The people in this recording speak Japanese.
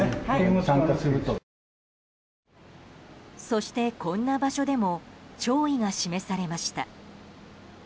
そして、こんな場所でも弔意が示されました。